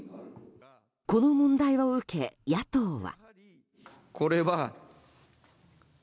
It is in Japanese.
この問題を受け、野党は。